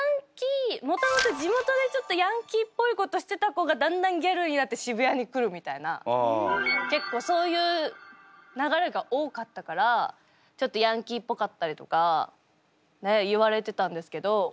もともと地元でちょっとヤンキーっぽいことしてた子がだんだんギャルになって渋谷に来るみたいな結構そういう流れが多かったからちょっとヤンキーっぽかったりとか言われてたんですけど。